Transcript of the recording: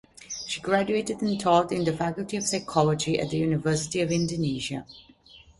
She graduated and taught in the Faculty of Psychology at the University of Indonesia.